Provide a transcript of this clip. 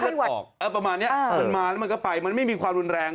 ออกประมาณนี้มันมาแล้วมันก็ไปมันไม่มีความรุนแรง